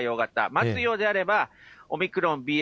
待つようであれば、オミクロン、ＢＡ．